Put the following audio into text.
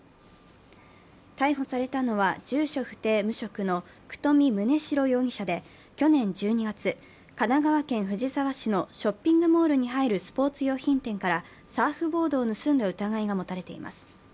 逮捕されたのは住所不定・無職の九冨宗城容疑者で去年１２月、神奈川県藤沢市のショッピングモールに入るスポーツ用品店からサーフボードを盗んだ疑いが持たれています。